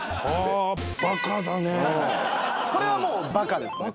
これはもうバカですね